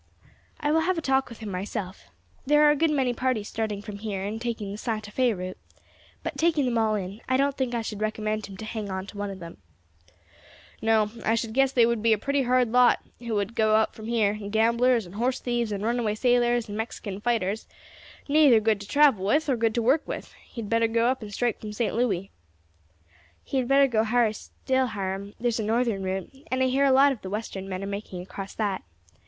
I will have a talk with him myself. There are a good many parties starting from here and taking the Santa Fé route; but, taking them all in all, I don't think I should recommend him to hang on to one of them." "No, I should guess they would be a pretty hard lot who would go out from here gamblers, and horse thieves, and runaway sailors, and Mexican fighters neither good to travel with or good to work with; he had better go up and strike from St. Louis." "He had better go higher still, Hiram; there's a northern route, and I hear a lot of the Western men are making across that.